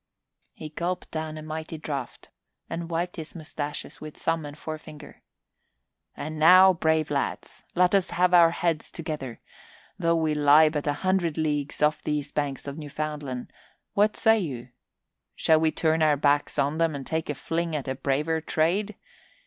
He gulped down a mighty draught and wiped his moustaches with thumb and forefinger. "And now, brave lads, let us have our heads together: though we lie but a hundred leagues off these banks of Newfoundland, what say you? Shall we turn our backs on them and take a fling at a braver trade?